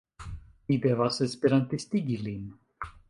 Mi devas esperantistigi lin.